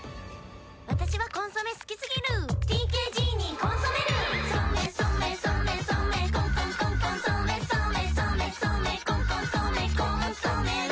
私はコンソメ好きすぎるＴＫＧにコンソメるソメソメソメソメコンコンコンコンソメソメソメソメコンコンソメコンソメる！